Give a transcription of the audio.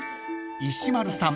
［石丸さん